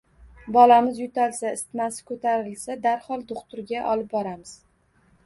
Bolamiz yo‘talsa, isitmasi ko‘tarilsa, darhol do‘xtirga olib boramiz.